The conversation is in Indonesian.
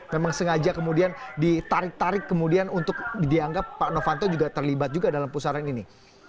memang sengaja kemudian ditarik tarik kemudian untuk dianggap pak novanto juga terlibat juga dalam pusaran ini